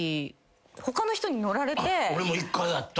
俺も１回あった。